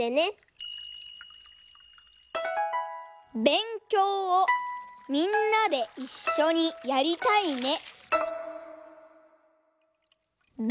「べんきょうをみんなで一緒にやりたいね」。